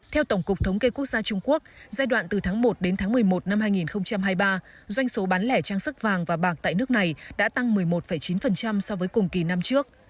theo tổng cục thống kê quốc gia trung quốc giai đoạn từ tháng một đến tháng một mươi một năm hai nghìn hai mươi ba doanh số bán lẻ trang sức vàng và bạc tại nước này đã tăng một mươi một chín so với cùng kỳ năm trước